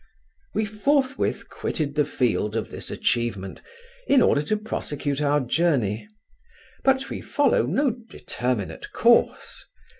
We forthwith quitted the field of this atchievement, in order to prosecute our journey; but we follow no determinate course.